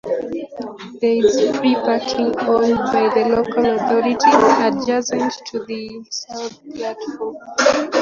There is free parking owned by the local authority adjacent to the south platform.